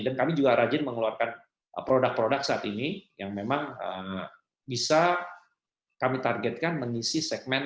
dan kami juga rajin mengeluarkan produk produk saat ini yang memang bisa kami targetkan mengisi sektor e commerce